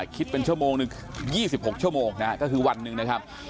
คิดเป็นชั่วโมงหนึ่ง๒๖ชั่วโมงนะฮะก็คือวันหนึ่งนะครับ